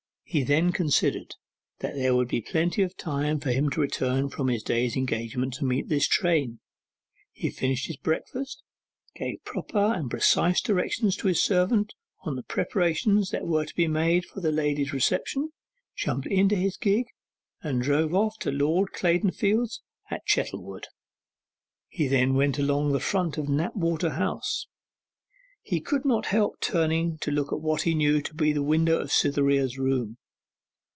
He then considered that there would be plenty of time for him to return from his day's engagement to meet this train. He finished his breakfast, gave proper and precise directions to his servant on the preparations that were to be made for the lady's reception, jumped into his gig, and drove off to Lord Claydonfield's, at Chettlewood. He went along by the front of Knapwater House. He could not help turning to look at what he knew to be the window of Cytherea's room.